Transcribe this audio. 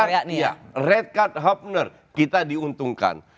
red card ya red card hapner kita diuntungkan